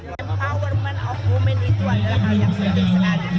empowerment of women itu adalah hal yang penting sekali